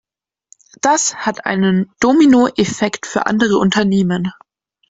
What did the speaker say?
Das hat einen Dominoeffekt für andere Unternehmen.